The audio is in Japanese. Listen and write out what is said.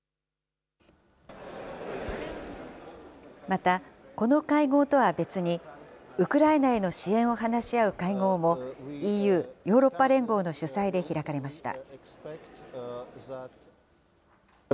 また、この会合とは別に、ウクライナへの支援を話し合う会合も、ＥＵ・ヨーロッパ連合の主催で開かれました。